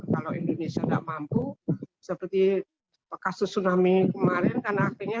kalau indonesia tidak mampu seperti kasus tsunami kemarin